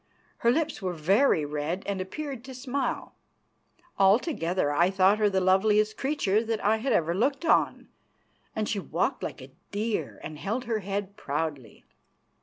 Her lips were very red and appeared to smile. Altogether I thought her the loveliest creature that ever I had looked on, and she walked like a deer and held her head proudly.